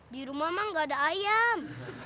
di rumah emang gak ada ayam